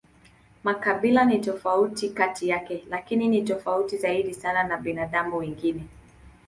Makabila ni tofauti kati yake, lakini ni tofauti zaidi sana na binadamu wengine.